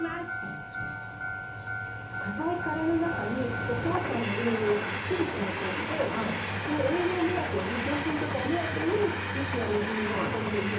かたい殻の中にお母さんの栄養をたっぷり詰め込んでその栄養目当てにでんぷんとかを目当てにリスやネズミが運んで埋めるの。